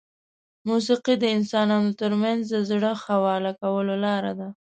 موسیقي د انسانانو ترمنځ د زړه خواله کولو لاره ده.